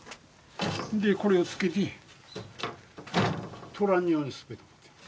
でこれをつけて取らんようにすっぺと。